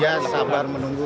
ya sabar menunggu